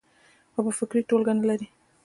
خو پۀ فکري توګه نۀ لري -